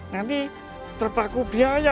nanti terpaku biaya